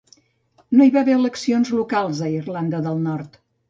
No hi va haver eleccions locals a Irlanda del Nord.